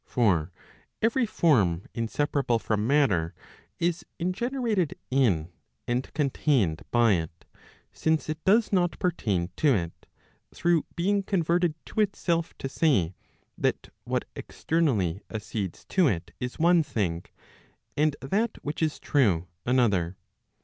For every form inseparable from matter, is ingenerated in, and contained by it; since it does not pertain to it, through being converted to itself to say, that what externally accedes to it is one thing, and that which is true another.